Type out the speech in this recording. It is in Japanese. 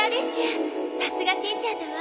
さすがしんちゃんだわ。